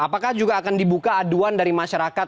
apakah juga akan dibuka aduan dari masyarakat